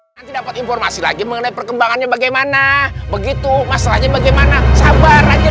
nanti dapat informasi lagi mengenai perkembangannya bagaimana begitu masalahnya bagaimana sabar aja